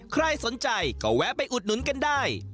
ใครสนใจก็แวะไปอุดหนุนกันได้